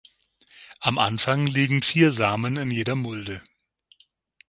Am Anfang liegen vier Samen in jeder Mulde.